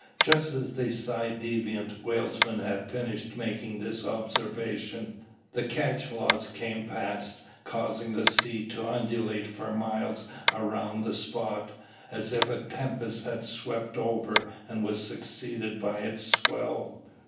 Just as the ci devant whalesman had finished making this observation, the cachalots came past, causing the sea to undulate for miles around the spot, as if a tempest had swept over, and was succeeded by its swell.